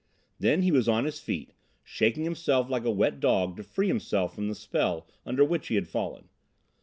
Then he was on his feet, shaking himself like a wet dog to free himself from the spell under which he had fallen.